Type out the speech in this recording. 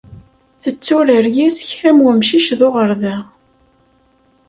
Tetturar yes-k am wemcic d uɣerda.